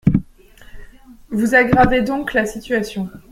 Vous aggravez donc la situation.